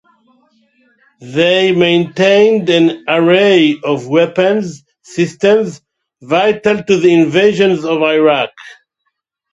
They maintained an array of weapons systems vital to the invasion of Iraq.